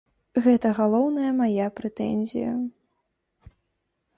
Гэта галоўная мая прэтэнзія.